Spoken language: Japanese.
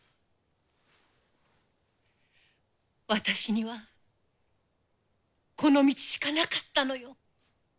私にはこの道しかなかったのよ。